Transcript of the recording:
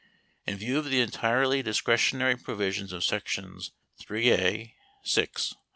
In view of the entirely discretionary 19 provisions of section 3 (a) (6) of S.